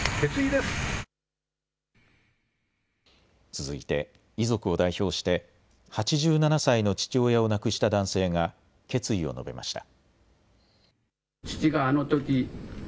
続いて遺族を代表して８７歳の父親を亡くした男性が決意を述べました。